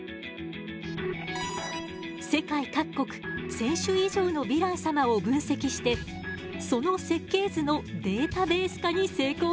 世界各国１，０００種以上のヴィラン様を分析してその設計図のデータベース化に成功したの。